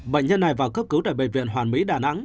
bệnh nhân này vào cấp cứu tại bệnh viện hoàn mỹ đà nẵng